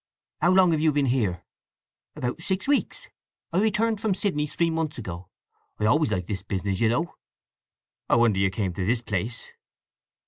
"How long have you been here?" "About six weeks. I returned from Sydney three months ago. I always liked this business, you know." "I wonder you came to this place!"